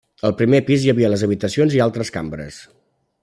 Al primer pis hi havia les habitacions i altres cambres.